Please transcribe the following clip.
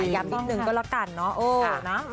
ย้ำนิดนึงก็แล้วกันเนาะ